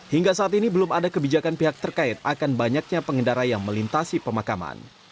hingga saat ini belum ada kebijakan pihak terkait akan banyaknya pengendara yang melintasi pemakaman